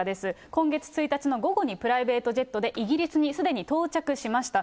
今月１日の午後にプライベートジェットで、イギリスにすでに到着しました。